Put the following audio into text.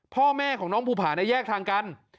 พ่อแม่ของน้องภูผาแยกทางกัน